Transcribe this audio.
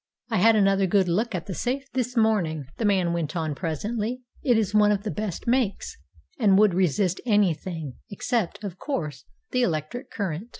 "I had another good look at the safe this morning," the man went on presently. "It is one of the best makes, and would resist anything, except, of course, the electric current."